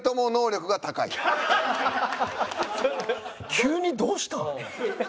急にどうした！？